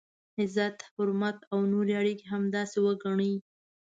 عزت، حرمت او نورې اړیکي همداسې وګڼئ.